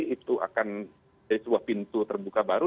itu akan jadi sebuah pintu terbuka baru